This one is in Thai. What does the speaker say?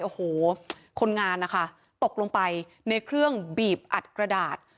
โอ้โหคนงานนะคะตกลงไปในเครื่องบีบอัดกระดาษ